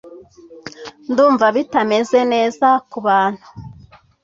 ndumva bitameze neza kubantu